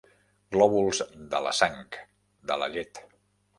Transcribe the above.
Glòbuls de la sang, de la llet.